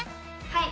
はい！